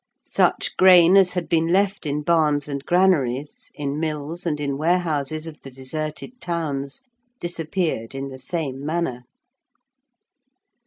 Such grain as had been left in barns and granaries, in mills, and in warehouses of the deserted towns, disappeared in the same manner.